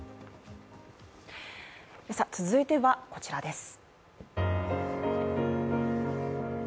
続いてはこちらです。